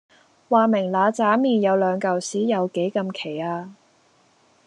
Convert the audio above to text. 話明嗱喳麵有兩嚿屎有幾咁奇呀？